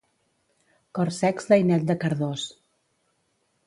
Corsecs d'Ainet de Cardós.